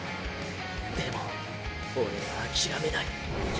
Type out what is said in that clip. でもオレは諦めない。